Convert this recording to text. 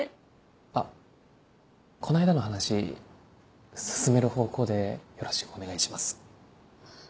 あっこの間の話進める方向でよろしくお願いします。